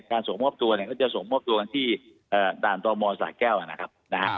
การส่งมอบตัวเนี่ยก็จะส่งมอบตัวกันที่ด่านตรงบริเวณสระแก้วนะครับ